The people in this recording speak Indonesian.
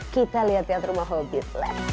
kita lihat lihat rumah hobbit